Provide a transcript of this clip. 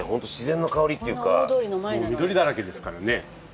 緑だらけですからね。